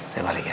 saya balik ya